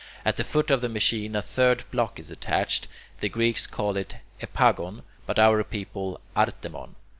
At the foot of the machine a third block is attached. The Greeks call it [Greek: epagon], but our people "artemon."